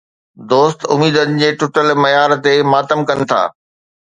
دوست اميدن جي ٽٽل معيار تي ماتم ڪن ٿا.